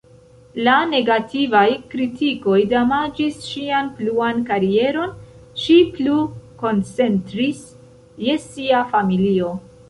La negativaj kritikoj damaĝis ŝian pluan karieron, ŝi plu koncentris je sia familio.